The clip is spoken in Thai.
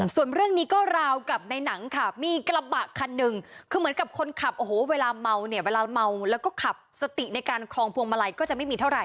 ส่วนเรื่องนี้ก็ราวกับในหนังค่ะมีกระบะคันหนึ่งคือเหมือนกับคนขับโอ้โหเวลาเมาเนี่ยเวลาเมาแล้วก็ขับสติในการคลองพวงมาลัยก็จะไม่มีเท่าไห